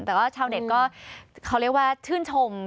แต่เช่าเด็กเขาเรียกว่าชื่นชม